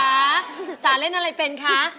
น้องสาเล่นอะไรเป็นคะ